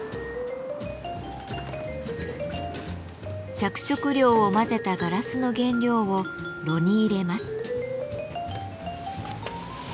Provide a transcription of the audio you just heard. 着色料を混ぜたガラスの原料を炉に入れます。